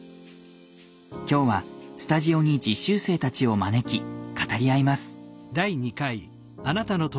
今日はスタジオに実習生たちを招き語り合います。